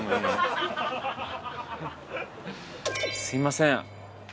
すいません。